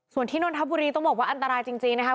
ส่วนที่นนทบุรีต้องบอกว่าอันตรายจริงนะครับ